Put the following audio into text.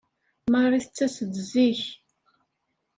Marie tettas-d zik.